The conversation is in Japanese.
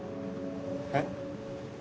えっ。